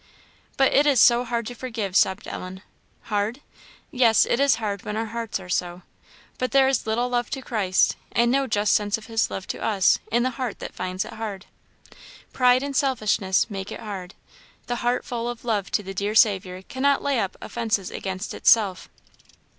" "But it is so hard to forgive!" sobbed Ellen. "Hard? Yes, it is hard when our hearts are so. But there is little love to Christ, and no just sense of his love to us, in the heart that finds it hard. Pride and selfishness make it hard; the heart full of love to the dear Saviour cannot lay up offences against itself."